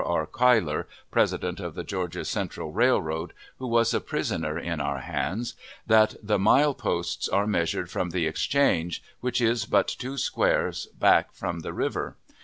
R. Cuyler, President of the Georgia Central Railroad (who was a prisoner in our hands), that the mile posts are measured from the Exchange, which is but two squares back from the river.